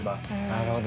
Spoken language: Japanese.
なるほど。